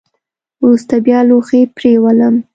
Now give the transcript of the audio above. وروسته بیا لوښي پرېولم .